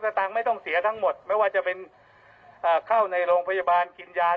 กิน๕๐เมกะ๕๖พันธุ์สลึงเดียวท่านก็ไม่ต้องเสีย